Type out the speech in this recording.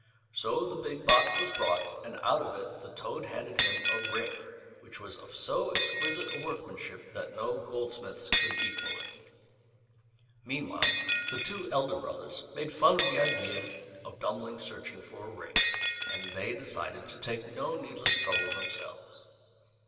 So the big box was brought, and out of it the toad handed him a ring which was of so exquisite a workmanship that no goldsmith's could equal it. Meanwhile the two elder brothers made fun of the idea of Dummling searching for a ring, and they decided to take no needless trouble themselves.